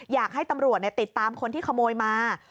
อยากให้ตำรวจติดตามคนที่ขโมยมา